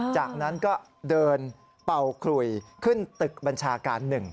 จากนั้นก็เดินเป่าขลุยขึ้นตึกบัญชาการ๑